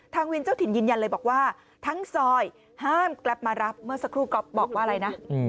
วินเจ้าถิ่นยืนยันเลยบอกว่าทั้งซอยห้ามแกรปมารับเมื่อสักครู่ก๊อฟบอกว่าอะไรนะ